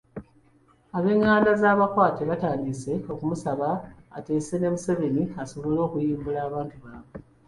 Ab'enganda z'abakwate batandise okumusaba ateese ne Museveni asobole okuyimbula abantu baabwe.